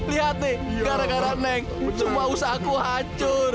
lihat nih gara gara naik semua usahaku hancur